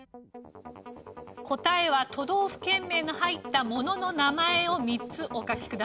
答えは都道府県名の入ったものの名前を３つお書きください。